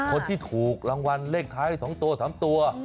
คนที่ถูกรางวัลเลขท้าย๒ตัว๓ตัว